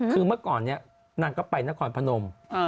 คือเมื่อก่อนนี้นางก็ไปนครพนม